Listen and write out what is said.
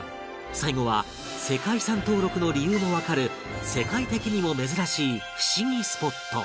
最後は世界遺産登録の理由もわかる世界的にも珍しい不思議スポット